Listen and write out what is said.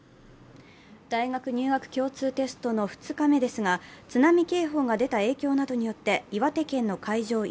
大学入学共通テスト２日目ですが、津波警報が出た影響などによって、岩手県の会場